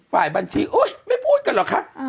ฝ่ายบัญชีโอ๊ยไม่พูดกันเหรอคะ